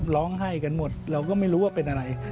ร้องไห้กันหมดเราก็ไม่รู้ว่าเป็นอะไร